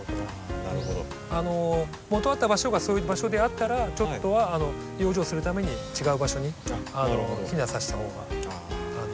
もとあった場所がそういう場所であったらちょっとは養生するために違う場所に避難させた方が無難です。